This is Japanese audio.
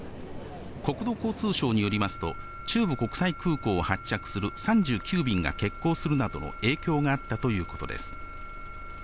国土交通省によりますと、中部国際空港を発着する３９便が欠航するなどの影響があったということです。